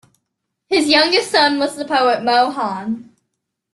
His youngest son was the poet Moe Hein.